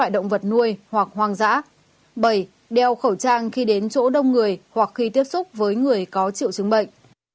bảy đeo khẩu trang khi đến chỗ đông người hoặc khi tiếp xúc với người có triệu chứng bệnh